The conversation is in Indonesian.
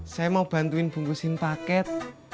saya mau bantuin bungkusin paket